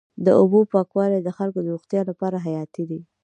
د اوبو پاکوالی د خلکو د روغتیا لپاره حیاتي دی.